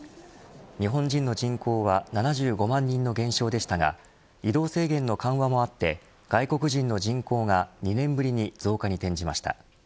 日本人の人口は７５万人の減少でしたが移動制限の緩和もあって外国人の人口が２年ぶりに増加に転じました。